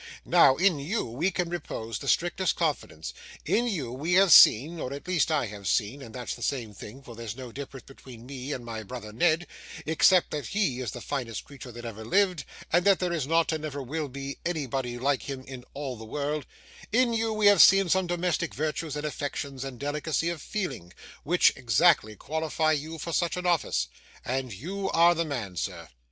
Now, in you we can repose the strictest confidence; in you we have seen or at least I have seen, and that's the same thing, for there's no difference between me and my brother Ned, except that he is the finest creature that ever lived, and that there is not, and never will be, anybody like him in all the world in you we have seen domestic virtues and affections, and delicacy of feeling, which exactly qualify you for such an office. And you are the man, sir.